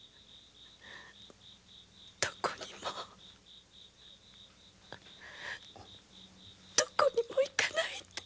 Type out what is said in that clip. どこにもどこにも行かないで。